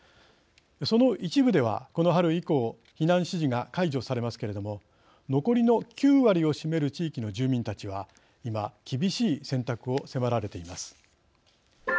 その一部では、この春以降避難指示が解除されますけれども残りの９割を占める地域の住民たちは今、厳しい選択を迫られています。